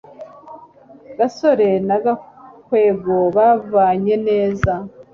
gasore na gakwego babanye neza